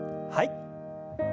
はい。